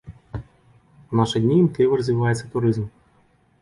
У нашы дні імкліва развіваецца турызм.